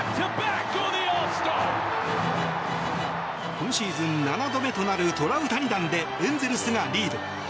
今シーズン７度目となるトラウタニ弾でエンゼルスがリード。